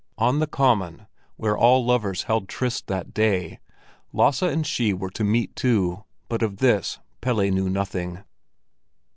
On the Common, where all lovers held tryst that day, Lasse and she were to meet too, but of this Pelle knew nothing.